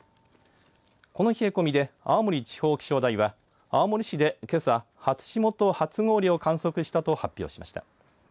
この冷え込みで青森地方気象台は青森市で、けさ初霜と初氷を観測したと発表しました。